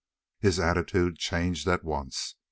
His attitude changed at once.